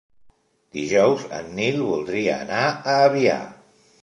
Dijous en Nil voldria anar a Avià.